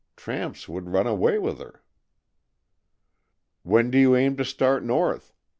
Tramps would run away with her." "When do you aim to start north?"